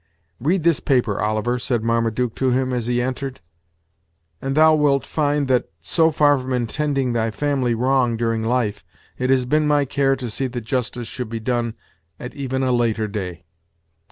"Read this paper, Oliver," said Marmaduke to him, as he entered, "and thou wilt find that, so far from intending thy family wrong during life, it has been my care to see that justice should be done at even a later day."